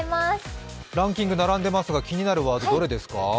ランキング並んでいますが気になるワードどれですか？